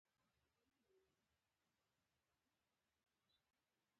ما د نجلۍ په مخ اوبه واچولې چې په هوښ شي